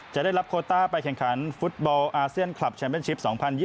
จะได้รับโคต้าไปแข่งขันฟุตบอลอาเซียนคลับแชมเป็นชิป๒๐๒๐